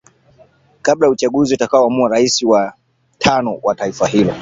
kabla ya uchaguzi utakao amua rais wa tano wa taifa hilo